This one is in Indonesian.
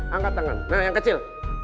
angkat tangan yang kecil